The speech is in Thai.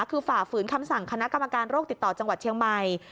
คือฝ่าฝืนคำสั่งคณะกรรมการโรคติดต่อจังหวัดเชียงใหม่